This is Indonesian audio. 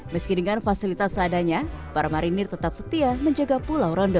meski dengan fasilitas seadanya para marinir tetap setia menjaga pulau rondo